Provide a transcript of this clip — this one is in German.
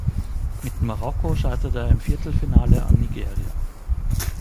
Mit Marokko scheiterte er im Viertelfinale an Nigeria.